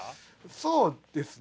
そうですね。